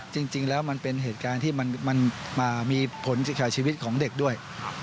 จริงแล้วมันเป็นเหตุการณ์ที่มันมีผลศึกษาชีวิตของเด็กด้วย